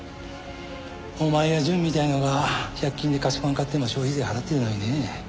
お前や淳みたいなのが１００均で菓子パン買っても消費税払ってるのにね。